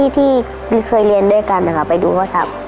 ที่เคยเรียนด้วยกันนะคะไปดูว่าทัก